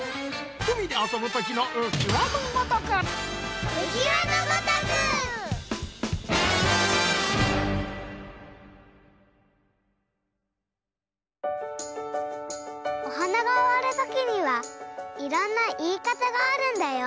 うみであそぶときのおはながおわるときにはいろんないいかたがあるんだよ。